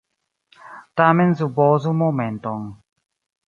Tamen supozu momenton.